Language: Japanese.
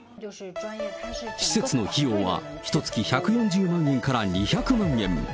施設の費用はひとつき１４０万円から２００万円。